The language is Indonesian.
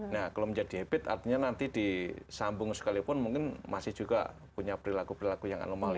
nah kalau menjadi habit artinya nanti disambung sekalipun mungkin masih juga punya perilaku perilaku yang anomal ya